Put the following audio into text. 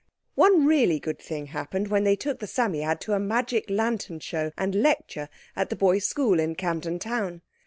One really good thing happened when they took the Psammead to a magic lantern show and lecture at the boys' school at Camden Town.